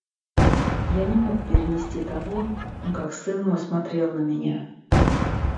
Я не мог перенести того, как сын мой смотрел на меня.